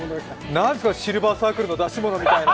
なんですか、シルバーサークルの出し物みたいな。